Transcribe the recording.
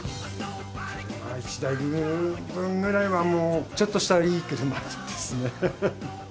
車１台分ぐらいはもう、ちょっとしたいい車ですね。